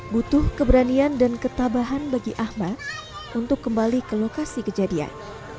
butuh keberanian dan ketabahan bagi ahmad untuk kembali ke lokasi kejadian